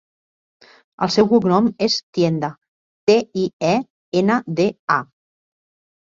El seu cognom és Tienda: te, i, e, ena, de, a.